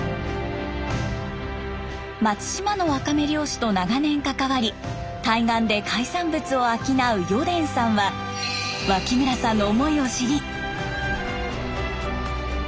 松島のワカメ漁師と長年関わり対岸で海産物を商う余傳さんは脇村さんの思いを知り。